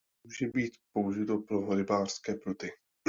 Může být použito pro rybářské pruty.